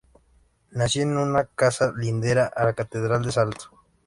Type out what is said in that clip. Nació en una casa lindera a la Catedral de Salto.